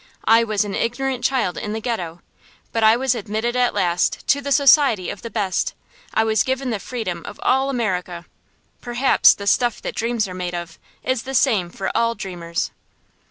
I was an ignorant child in the Ghetto, but I was admitted at last to the society of the best; I was given the freedom of all America. Perhaps the "stuff that dreams are made of" is the same for all dreamers.